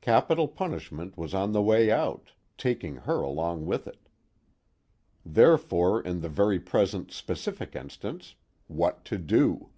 Capital punishment was on the way out, taking her along with it. Therefore in the very present specific instance: _What to do?